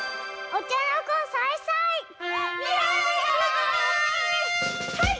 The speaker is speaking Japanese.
お茶の子さいさい！